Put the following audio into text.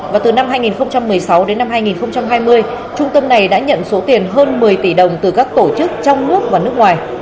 và từ năm hai nghìn một mươi sáu đến năm hai nghìn hai mươi trung tâm này đã nhận số tiền hơn một mươi tỷ đồng từ các tổ chức trong nước và nước ngoài